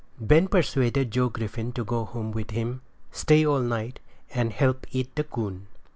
Ben persuaded Joe Griffin to go home with him, stay all night, and help eat the coon.